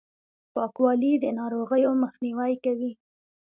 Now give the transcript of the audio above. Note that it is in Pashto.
پاکوالي، د ناروغیو مخنیوی کوي!